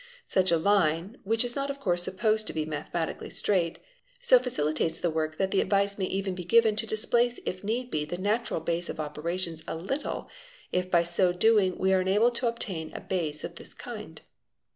Such a line, which is not of course supposed to be mathematically straight, so facilitates the work that the advice may even _ be given to displace if need be the natural base of operations a little, if by doing so we are enabled to obtain a base of this kind.